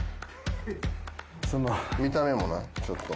見た目もなちょっと。